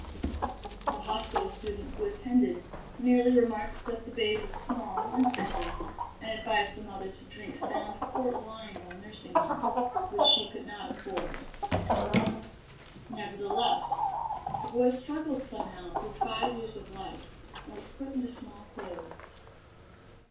The hospital student who attended merely remarked that the babe was small and sickly, and advised the mother to drink sound port wine while nursing him, which she could not afford. Nevertheless, the boy struggled somehow through five years of life, and was put into smallclothes.